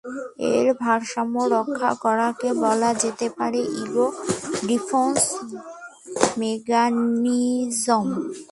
এর ভারসাম্য রক্ষা করাকে বলা যেতে পারে ইগো ডিফেন্স মেকানিজম।